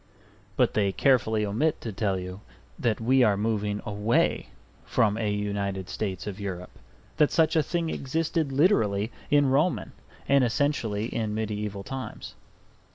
But they carefully omit to tell you that we are moving away from a United States of Europe, that such a thing existed literally in Roman and essentially in mediaeval times.